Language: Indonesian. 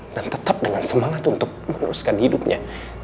dan tetap dengan semangat untuk meneruskan hidupnya